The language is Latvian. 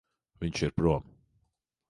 Viņš ir prom.